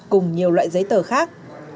cùng nhiều loại giấy tờ khác